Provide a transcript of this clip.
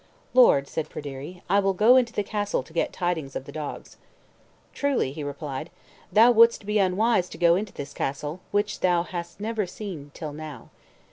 "Lord," said Pryderi, "I will go into the castle to get tidings of the dogs." "Truly," he replied, "thou wouldst be unwise to go into this castle, which thou hast never seen till now.